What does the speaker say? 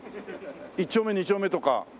一丁目二丁目とか。